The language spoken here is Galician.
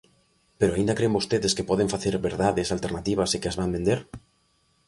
¿Pero aínda cren vostedes que poden facer verdades alternativas e que as van vender?